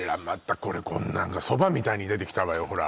またこれこんな何かそばみたいに出てきたわよ